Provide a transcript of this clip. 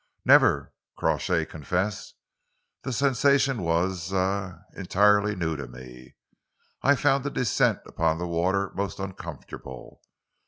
"Never," Crawshay confessed. "The sensation was er entirely new to me. I found the descent upon the water most uncomfortable."